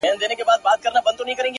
د سترگو د ملا خاوند دی ـ